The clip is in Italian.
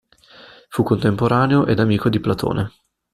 Fu contemporaneo ed amico di Platone.